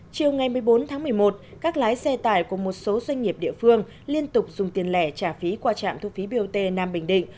chiều ngày một mươi bốn tháng một mươi một các lái xe tải của một số doanh nghiệp địa phương liên tục dùng tiền lẻ trả phí qua trạm thu phí bot nam bình định